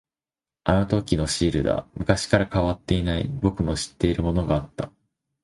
あのときのシールだ。昔から変わっていない、僕の知っているものがあった。